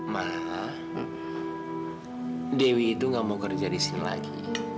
malah dewi itu gak mau kerja di sini lagi